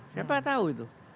siapa tau itu